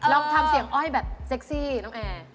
ลองทำเสียงอ้อยแบบเซ็กซี่น้องแอร์